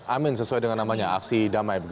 amin sesuai dengan namanya aksi damai